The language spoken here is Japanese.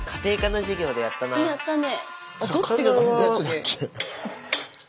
やったね。